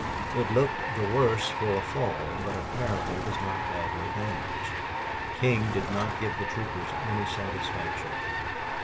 It looked the worse for a fall, but apparently was not badly damaged. King did not give the troopers any satisfaction.